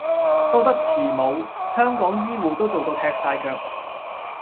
多得慈母，香港醫謢都做到踢曬腳